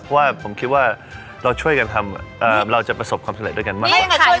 เพราะว่าผมคิดว่าเราช่วยกันทำเราจะประสบความสำเร็จด้วยกันมากกว่า